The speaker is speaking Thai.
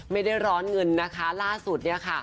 ไม่ได้ร้อนเงินนะคะล่าสุดเนี่ยค่ะ